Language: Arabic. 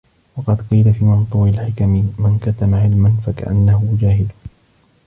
وَقَدْ قِيلَ فِي مَنْثُورِ الْحِكَمِ مَنْ كَتَمَ عِلْمًا فَكَأَنَّهُ جَاهِلٌ